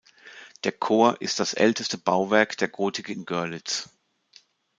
Der Chor ist das älteste Bauwerk der Gotik in Görlitz.